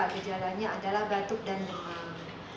gejalanya adalah batuk dan demam